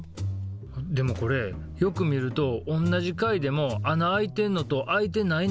でもこれよく見るとおんなじ貝でも穴開いてんのと開いてないのがあるで。